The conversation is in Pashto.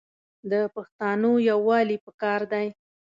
د پښتانو یوالي پکار دی.